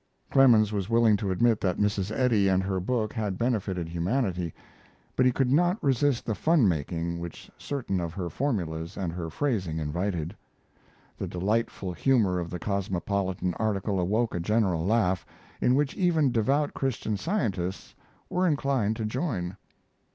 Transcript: Clemens was willing to admit that Mrs. Eddy and her book had benefited humanity, but he could not resist the fun making which certain of her formulas and her phrasing invited. The delightful humor of the Cosmopolitan article awoke a general laugh, in which even devout Christian Scientists were inclined to join.